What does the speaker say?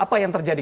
apa yang terjadi